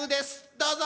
どうぞ！